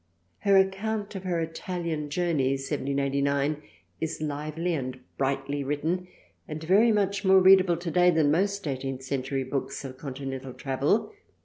Her account of her Italian Journey (1789) is lively and brightly w^ritten and very much more readable today than most eighteenth century books of Continental Travel.